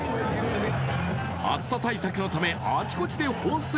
暑さ対策のためあちこちで放水